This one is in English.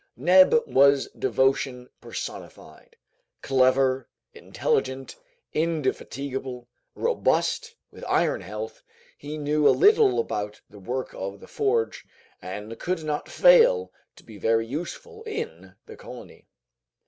Neb was devotion personified. Clever, intelligent, indefatigable, robust, with iron health, he knew a little about the work of the forge, and could not fail to be very useful in the colony.